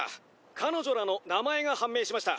彼女らの名前が判明しました。